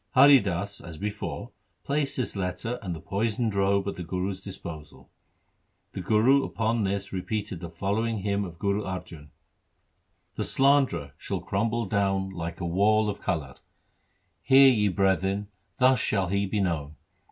Hari Das, as before, placed this letter and the poisoned robe at the Guru's disposal. The Guru upon this repeated the following hymn of Guru Arjan :— The slanderer shall crumble down 24 THE SIKH RELIGION Like a wall of kallar : hear, ye brethren, thus shall he be known.